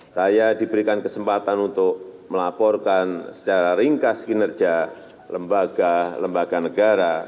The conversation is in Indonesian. saya diberikan kesempatan untuk melaporkan secara ringkas kinerja lembaga lembaga negara